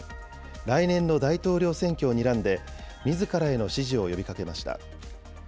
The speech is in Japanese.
来年の大統領選挙をにらんで、みずからへの支持を呼びかけました。